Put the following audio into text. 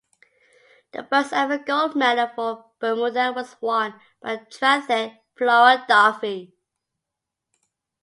The first ever gold medal for Bermuda was won by triathlete Flora Duffy.